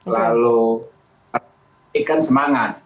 lalu ikan semangat